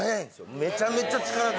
めちゃめちゃ力強い。